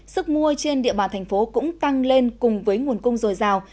sức mua trên địa bàn thành phố cũng tăng lên cùng với nguồn cung dồi dào